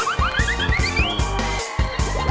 เร็ว